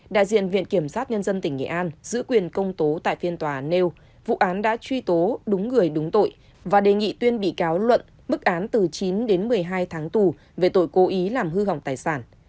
đại diện viện kiểm sát nhân dân tỉnh nghệ an giữ quyền công tố tại phiên tòa nêu vụ án đã truy tố đúng người đúng tội và đề nghị tuyên bị cáo luận bức án từ chín đến một mươi hai tháng tù về tội cố ý làm hư hỏng tài sản